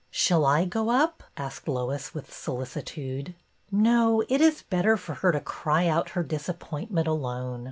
Shall I go up ?'' asked Lois, with solicitude. No ; it is better for her to cry out her dis appointment alone.